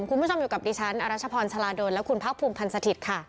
คุณผู้ชมอยู่กับดิฉันอรัชพรชาลาดลและคุณพักภูมิพันธ์สถิตย์ค่ะ